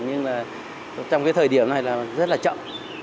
nhưng là trong cái thời điểm này là rất là chậm